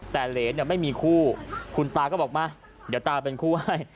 แต่เหรนไม่มีคู่คุณตาก็บอกมาเดี๋ยวตาเป็นคู่ให้